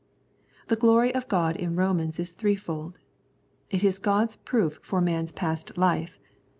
The glory of God in Romans is threefold : it is God's proof for man's past life (ch.